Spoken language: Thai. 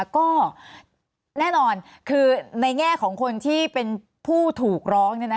ก็แน่นอนคือในแง่ของคนที่เป็นผู้ถูกร้อง